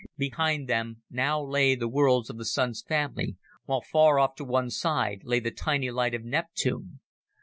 Behind them now lay the worlds of the Sun's family, while far off to one side lay the tiny light of Neptune.